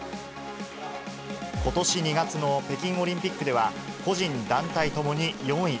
ことし２月の北京オリンピックでは、個人、団体ともに４位。